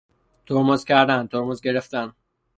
ترمز کردن، ترمز گرفتن